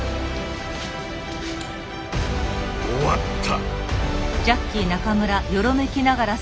終わった。